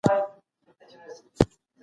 ښوونځي زده کوونکو نوي ګټور څيزونه زده کړي دي.